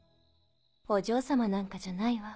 お嬢様なんかじゃないわ。